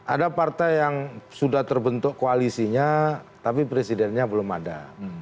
ada partai yang sudah terbentuk koalisinya tapi presidennya belum ada